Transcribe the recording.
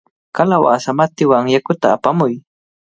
¡Kalawasa matiwan yakuta apamuy!